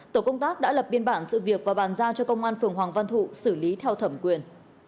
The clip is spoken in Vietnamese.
tổ công tác đã lập biên bản sự việc và bàn giao cho công an phường hoàng văn thụ xử lý theo thẩm quyền